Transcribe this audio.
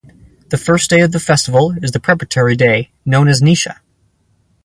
The first day of the festival is the preparatory day known as "Nisha".